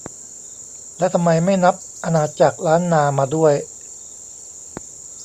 แล้วทำไมไม่นับอาณาจักรล้านนามาด้วย